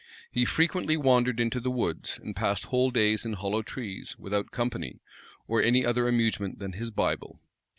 He frequently wandered into the woods, and passed whole days in hollow trees without company, or any other amusement than his Bible.